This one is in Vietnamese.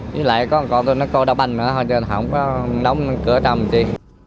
với lại có con tôi nó coi đọc bành mà nó không có đóng cửa trong gì